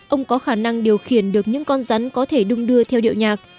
ông có khả năng điều khiển được những con rắn có thể đung đưa theo điệu nhạc